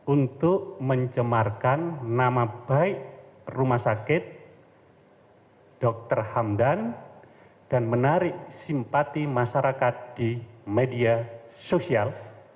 untuk mencemarkan nama baik rumah sakit dr hamdan dan menarik simpati masyarakat di media sosial